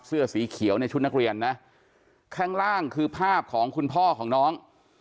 เสื้อสีเขียวในชุดนักเรียนนะข้างล่างคือภาพของคุณพ่อของน้อง